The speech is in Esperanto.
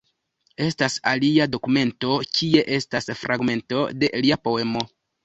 Estas alia dokumento, kie estas fragmento de lia poemo.